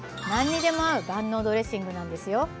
何にでも合う万能ドレッシングなんですよ。